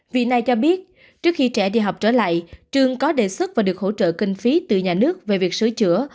vì này cho biết trước khi trẻ đi học trở lại trường có đề xuất và được hỗ trợ kinh phí từ nhà nước về việc sửa chữa